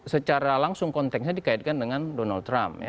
secara langsung konteksnya dikaitkan dengan donald trump